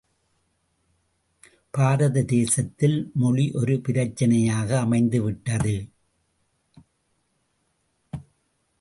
பாரத தேசத்தில் மொழி ஒரு பிரச்சனையாக அமைந்து விட்டது.